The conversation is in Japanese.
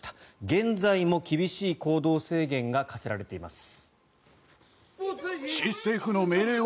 現在も厳しい行動制限が課せられています。